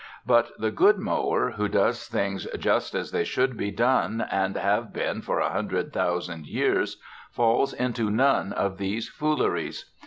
But the good mower who does things just as they should be done and have been for a hundred thousand years, falls into none of these fooleries.